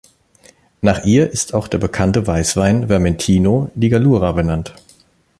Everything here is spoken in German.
Nach ihr ist auch der bekannte Weißwein Vermentino di Gallura benannt.